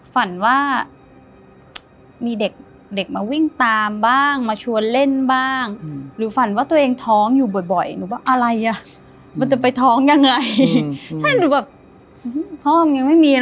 ฝันว่ามีเด็กมาวิ่งตามบ้างมาชวนเล่นบ้างหรือฝันว่าตัวเองท้องอยู่บ่อยหนูว่าอะไรอะมันจะไปท้องยังไง